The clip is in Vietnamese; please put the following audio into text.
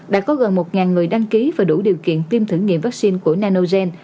đã có gần một người đăng ký và đủ điều kiện tiêm thử nghiệm vaccine của nanogen